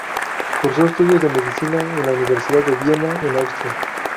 Cursó estudios de medicina en la Universidad de Viena en Austria.